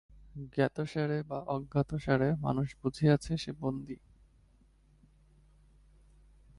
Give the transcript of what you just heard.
জ্ঞাতসারে বা অজ্ঞাতসারে মানুষ বুঝিয়াছে, সে বন্দী।